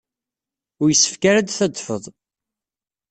Ur yessefk ara ad d-tadfed.